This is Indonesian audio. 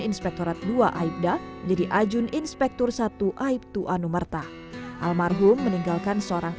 inspektorat dua aibda menjadi ajun inspektur satu aibtu anumerta almarhum meninggalkan seorang